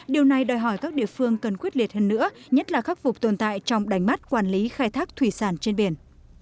điều này đòi hỏi các địa phương cần quyết liệt hơn nữa nhất là khắc phục tồn tại trong đánh mắt quản lý khai thác thủy sản trên biển